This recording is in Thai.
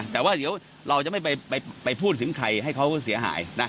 แต่ว่าเดี๋ยวเราจะไม่ไปพูดถึงใครให้เขาเสียหายนะ